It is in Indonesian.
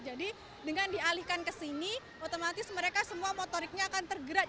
jadi dengan dialihkan ke sini otomatis mereka semua motoriknya akan tergerak